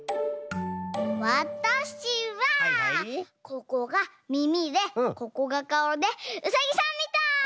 ここがみみでここがかおでうさぎさんみたい！